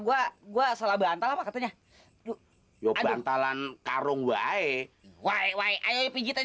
gua gua salah bantal apa katanya yuk yuk bantalan karung wae wae wae pijitan